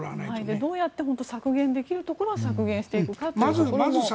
どうやって削減できるところは削減するのかというのも。